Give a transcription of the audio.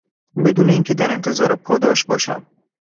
بدون اینکه در انتظار پاداش باشم